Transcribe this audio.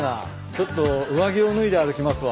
ちょっと上着を脱いで歩きますわ。